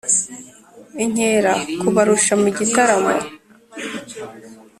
Inkera kubarusha mu gitaramo